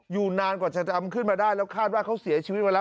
อยู่นานกว่าจะทำขึ้นมาได้แล้วคาดว่าเขาเสียชีวิตมาแล้ว